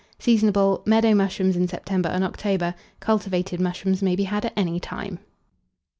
Seasonable. Meadow mushrooms in September and October; cultivated mushrooms may be had at any time.